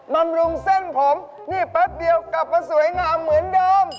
บำรุงเส้นผมนี่แป๊บเดียวกลับมาสวยงามเหมือนเดิม